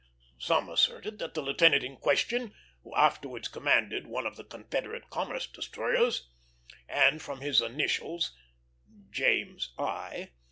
Some asserted that the lieutenant in question, who afterwards commanded one of the Confederate commerce destroyers, and from his initials (Jas. I.)